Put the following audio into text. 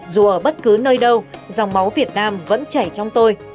dù ở bất cứ nơi đâu dòng máu việt nam vẫn chảy trong tôi